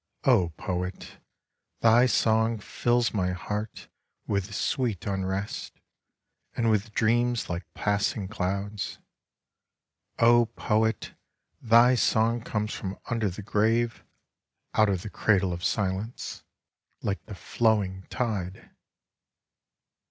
O poet, thy song fills my heart with sweet unrest and with dreams like passing clouds ! O poet, thy song comes from under the grave — out of the cradle of Silence, like the flowing tide!